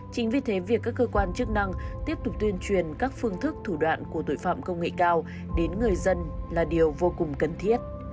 chính vì thế việc các cơ quan chức năng tiếp tục tuyên truyền các phương thức thủ đoạn của tội phạm công nghệ cao đến người dân là điều vô cùng cần thiết